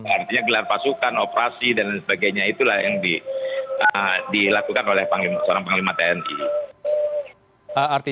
artinya gelar pasukan operasi dan sebagainya itulah yang dilakukan oleh seorang panglima tni